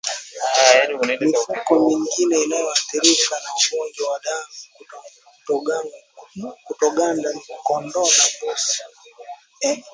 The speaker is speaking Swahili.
Mifugo mingine inayoathirika na ugonjwa wa damu kutoganda ni kondoo na mbuzi